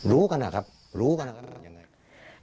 รู้กันนะครับรู้กันนะครับยังไง